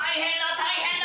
大変だ！